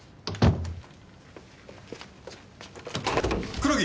黒木。